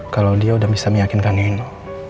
kalo dia udah bisa meyakinkan nino